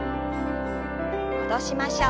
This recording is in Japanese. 戻しましょう。